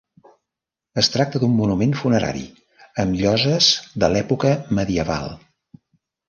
Es tracta d'un monument funerari amb lloses de l'època medieval.